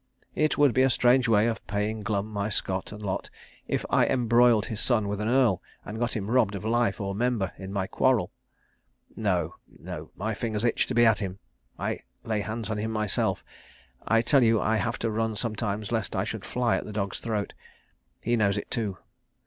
It would be a strange way of paying Glum my scot and lot if I embroiled his son with an Earl, and got him robbed of life or member in my quarrel. No, no. My fingers itch to be at him; I lay hands on myself; I tell you I have to run sometimes lest I should fly at the dog's throat. He knows it too.